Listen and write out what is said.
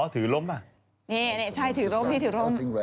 นี่นี่ใช่ถือลมพี่ถือลม